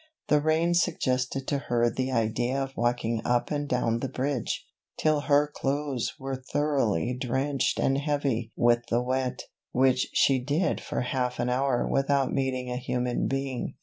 The rain suggested to her the idea of walking up and down the bridge, till her clothes were thoroughly drenched and heavy with the wet, which she did for half an hour without meeting a human being.